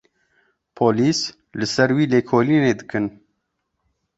Polîs li ser wî lêkolînê dikin.